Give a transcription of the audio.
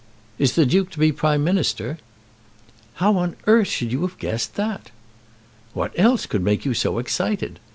"Is the Duke to be Prime Minister?" "How on earth should you have guessed that?" "What else could make you so excited?